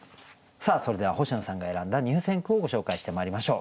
さあそれでは星野さんが選んだ入選句をご紹介してまいりましょう。